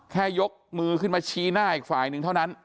แค่ยกมือขึ้นมาชี้หน้าอีกฝ่ายหนึ่งเท่านั้น